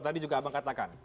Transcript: tadi juga abang katakan